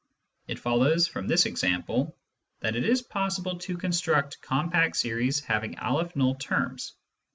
It follows from this example that it is possible to construct compact series having N terms.